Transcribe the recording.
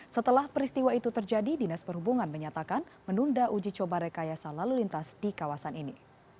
setelah peristiwa itu terjadi dinas perhubungan menyatakan menunda uji coba rekayasa lalu lintas di kawasan ini